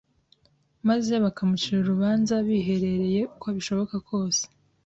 maze bakamucira urubanza biherereye uko bishoboka kose